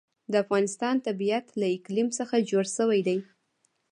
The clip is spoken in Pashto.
د افغانستان طبیعت له اقلیم څخه جوړ شوی دی.